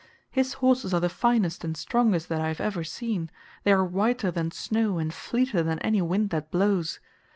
His horses are the finest and strongest that I have ever seen, they are whiter than snow and fleeter than any wind that blows.